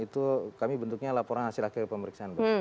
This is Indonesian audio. itu kami bentuknya laporan hasil hasil pemeriksaan